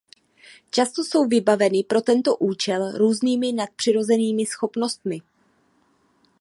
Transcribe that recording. Často jsou vybaveny pro tento účel různými nadpřirozenými schopnostmi.